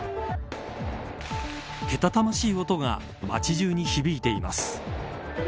けたたましい音が街中に響いています。